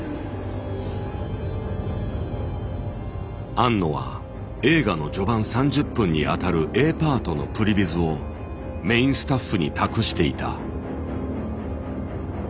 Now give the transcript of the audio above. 庵野は映画の序盤３０分にあたるＡパートのプリヴィズをメインスタッフに託していた。